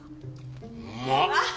うまっ！